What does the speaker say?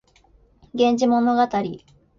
源氏物語